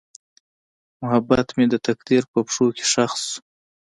محبت مې د تقدیر په پښو کې ښخ شو.